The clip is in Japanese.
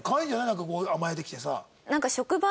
なんかこう甘えてきてさ。